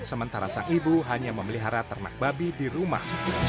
sementara sang ibu hanya memelihara ternak babi di rumah